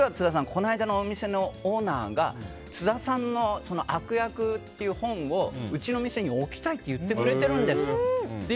この間のお店のオーナーが津田さんの「悪役」という本をうちの店に置きたいって言ってくれてるんですって。